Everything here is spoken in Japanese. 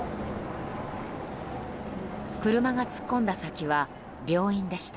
車が突っ込んだ先は病院でした。